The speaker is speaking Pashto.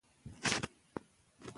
ځینې شعرپوهان شعر عربي نه بولي.